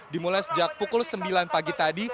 dimulai sejak pukul sembilan pagi tadi